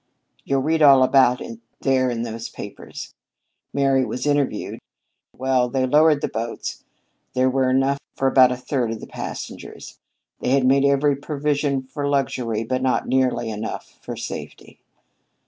You'll read all about it there in those papers. Mary was interviewed. Well, they lowered the boats. There were enough for about a third of the passengers. They had made every provision for luxury, but not nearly enough for safety.